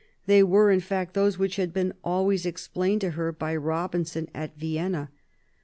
They were in fact those which had been always explained to her by Robinson at Vienna.